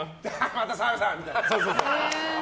また澤部さん！みたいな。